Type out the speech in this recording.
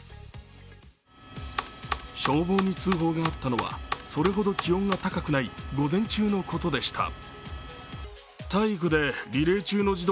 消防に通報があったのはそれほど気温が高くない午前中のことでした。